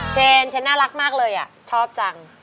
เชนเชนน่ารักมากเลยชอบจัง